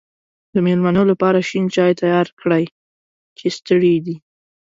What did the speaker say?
د مېلمنو لپاره شین چای تیار کړی چې ستړی دی.